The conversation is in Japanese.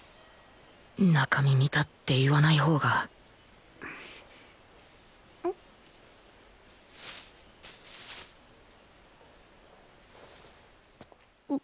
中身見たって言わないほうがあっ。